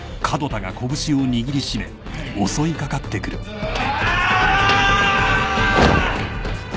うわ！